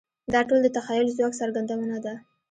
دا ټول د تخیل د ځواک څرګندونه ده.